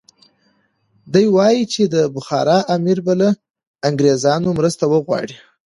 دی وایي چې د بخارا امیر به له انګریزانو مرسته وغواړي.